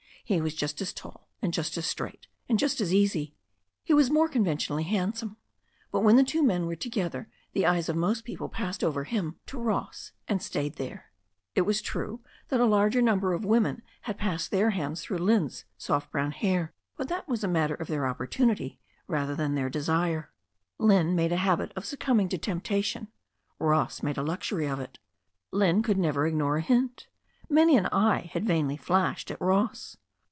He was just as tall, and just as straight, and just as easy. He was more conventionally handsome. But when the two men were together the eyes of most people passed over him to Ross and stayed there. It was true that a larger number of women had passed their hands through Lynne's soft brown THE STORY OF A NEW ZEALAND RIVER 261 hair, but that was a matter of their opportunity rather than their desire. Lynne made a habit of succumbing to tempta tion. Ross made a luxury of it. Lynne could never ignore a hint. Many an eye had vainly flashed at Ross.